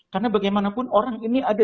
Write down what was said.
karena bagaimanapun orang ini ada